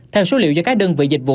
theo số liệu do các đơn vị dịch vụ